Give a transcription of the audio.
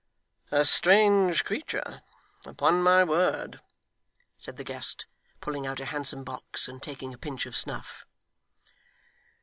'A strange creature, upon my word!' said the guest, pulling out a handsome box, and taking a pinch of snuff.